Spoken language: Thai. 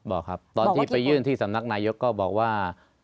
บอกครับตอนที่ไปยื่นที่สำนักนายกก็บอกว่า